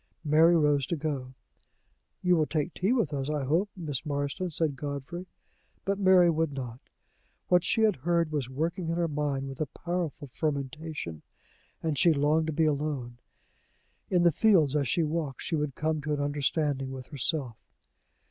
Mary rose to go. "You will take tea with us, I hope, Miss Marston," said Godfrey. But Mary would not. What she had heard was working in her mind with a powerful fermentation, and she longed to be alone. In the fields, as she walked, she would come to an understanding with herself.